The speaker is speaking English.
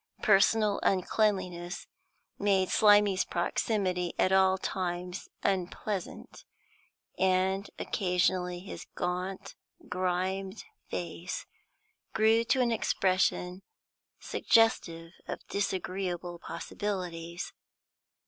Personal uncleanliness made Slimy's proximity at all times unpleasant; and occasionally his gaunt, grimed face grew to an expression suggestive of disagreeable possibilities.